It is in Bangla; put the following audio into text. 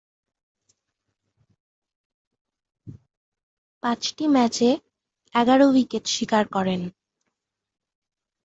পাঁচটি ম্যাচে এগারো উইকেট শিকার করেন।